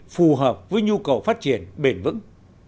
phù hợp với nhu cầu phát triển bền vững